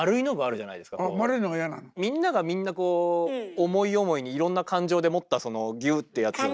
みんながみんなこう思い思いにいろんな感情で持ったそのギューッてやつが。